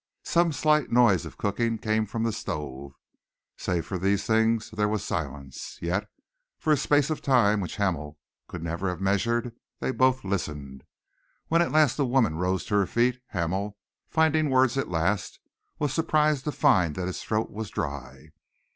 Some slight noise of cooking came from the stove. Save for these things there was silence. Yet, for a space of time which Hamel could never have measured, they both listened. When at last the woman rose to her feet, Hamel, finding words at last, was surprised to find that his throat was dry.